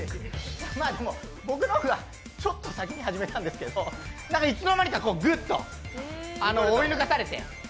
僕の方がちょっと先に始めたんですけどいつの間にかグッと追い抜かされて。